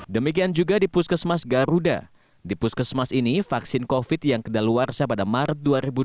dan di puskesmas garuda vaksin covid sembilan belas yang kedaluarsa pada maret dua ribu dua puluh satu